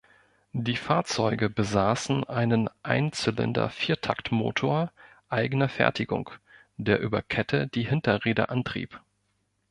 Die Fahrzeuge besaßen einen Einzylinder-Viertaktmotor eigener Fertigung, der über Kette die Hinterräder antrieb.